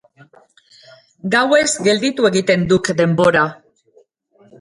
Gauez gelditu egiten duk denbora.